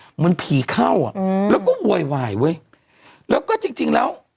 เหมือนผีเข้าอ่ะอืมแล้วก็โวยวายเว้ยแล้วก็จริงจริงแล้ว